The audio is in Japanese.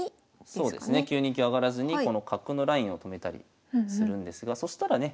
そうですね９二香上がらずにこの角のラインを止めたりするんですがそしたらね